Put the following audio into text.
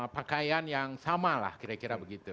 pakaian yang sama lah kira kira begitu